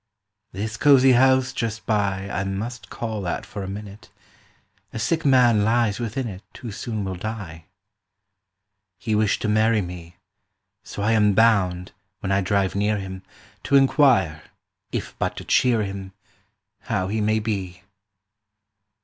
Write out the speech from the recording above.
"This cosy house just by I must call at for a minute, A sick man lies within it Who soon will die. "He wished to marry me, So I am bound, when I drive near him, To inquire, if but to cheer him, How he may be."